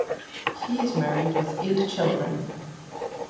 He is married with eight children.